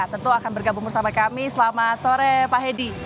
tentu akan bergabung bersama kami selamat sore pak hedi